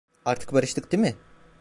Artık barıştık değil mi?